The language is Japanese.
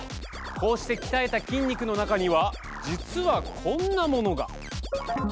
こうして鍛えた筋肉の中には実はこんなものが。